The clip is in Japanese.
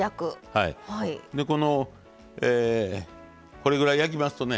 これぐらい焼きますとね